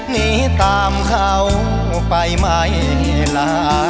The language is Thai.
นี่ตามเขาไปไหมล่ะ